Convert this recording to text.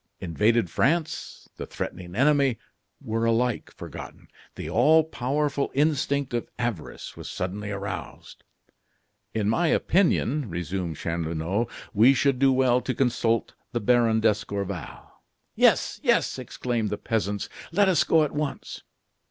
Invaded France, the threatening enemy, were alike forgotten. The all powerful instinct of avarice was suddenly aroused. "In my opinion," resumed Chanlouineau, "we should do well to consult the Baron d'Escorval." "Yes, yes!" exclaimed the peasants; "let us go at once!"